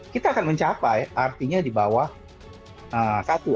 kita akan mencapai artinya di bawah satu